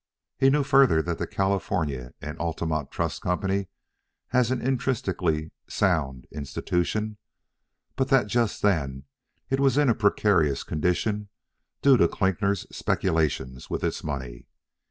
He knew, further, that the California & Altamont Trust Company has an intrinsically sound institution, but that just then it was in a precarious condition due to Klinkner's speculations with its money.